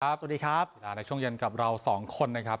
สวัสดีครับกีฬาในช่วงเย็นกับเราสองคนนะครับ